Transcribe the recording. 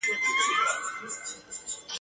را نیژدې مي سباوون دی نازوه مي !.